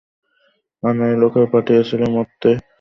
আনাড়ি লোকদের পাঠিয়েছিলি মারতে।